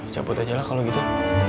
camput aja lah kalau gitu